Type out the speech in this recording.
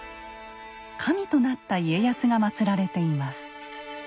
神となった家康がまつられています。